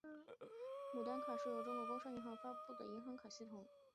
牡丹卡是由中国工商银行发行的银行卡的统称。